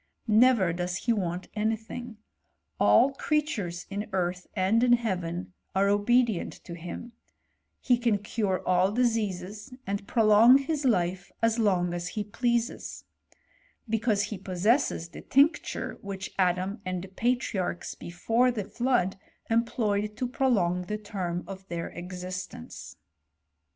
Never does he want any thing ; all creatures in earth and in heaven are obe » xiient to him ; he can cure all diseases, and prolong his life as long as he pleases ; because he possesses the tincture which Adam and the patriarch's before the flood employed to prolong the term of their exist cnce.